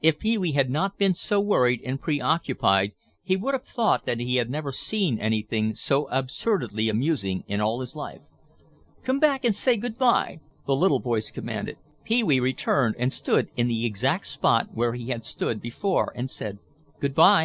If Pee wee had not been so worried and preoccupied he would have thought that he had never seen anything so absurdly amusing in all his life. "Come back and say good by," the little voice commanded. Pee wee returned and stood in the exact spot where he had stood before and said, "Good by."